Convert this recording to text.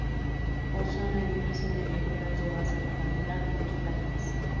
Posee un edificio de viajeros de base rectangular y dos plantas.